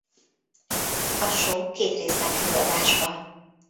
A show két részben kerül adásba.